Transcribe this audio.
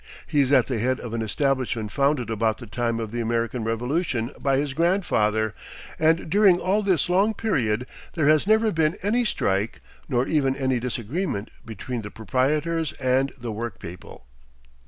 He is at the head of an establishment founded about the time of the American Revolution by his grandfather; and during all this long period there has never been any strike, nor even any disagreement between the proprietors and the work people.